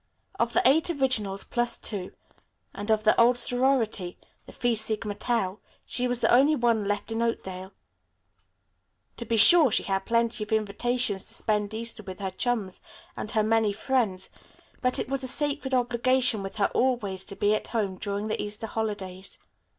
Of the Eight Originals Plus Two, and of their old sorority, the Phi Sigma Tau, she was the only one left in Oakdale. To be sure she had plenty of invitations to spend Easter with her chums and her many friends, but it was a sacred obligation with her always to be at home during the Easter holidays.